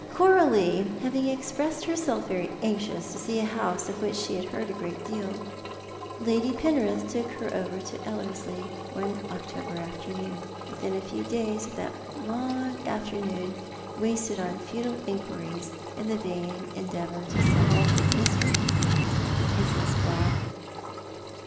Coralie having expressed herself very anxious to see a house of which she had heard a great deal, Lady Penrith took her over to Ellerslie one October afternoon — Within a few days of that long afternoon wasted on futile inquiries and the vain endeavour to solve the mystery of the pencil scrawl.